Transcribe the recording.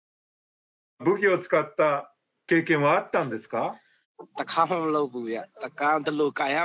武器を使った経験はあったんですか？